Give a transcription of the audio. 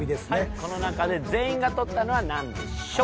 この中で全員が取ったのはなんでしょう？